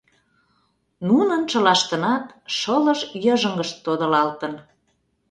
Нунын чылаштынат шылыж йыжыҥышт тодылалтын...